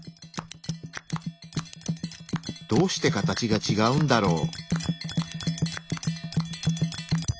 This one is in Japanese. どうして形がちがうんだろう？